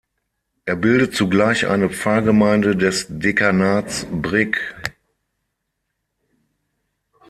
Er bildet zugleich eine Pfarrgemeinde des Dekanats Brig.